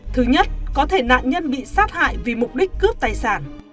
thứ nhất có thể nạn nhân bị sát hại vì mục đích cướp tài sản